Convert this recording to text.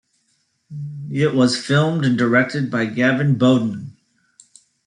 It was filmed and directed by Gavin Bowden.